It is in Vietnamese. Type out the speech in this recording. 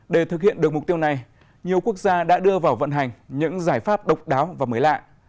để thực hiện được mục tiêu này nhiều quốc gia đã đưa vào vận hành những giải pháp độc đáo và mới lạ